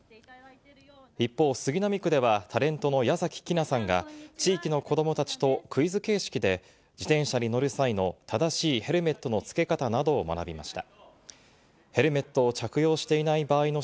一方、杉並区ではタレントの矢崎希菜さんが、地域の子どもたちとクイズ形式で、自転車に乗る際の正しいヘルメットのつけ方などを学びました。